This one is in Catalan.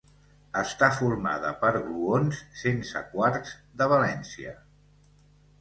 Està formada per gluons sense quarks de valència.